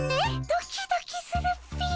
ドキドキするっピィ。